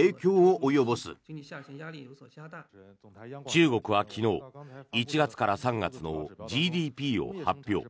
中国は昨日１月から３月のＧＤＰを発表。